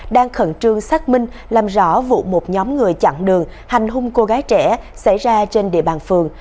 đang khẩn trương xác minh làm rõ vụ một nhóm người chặn đường hành hung cô gái trẻ xảy ra trên địa bàn phường